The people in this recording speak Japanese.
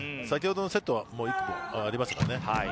先ほどのセットは１本ありましたからね。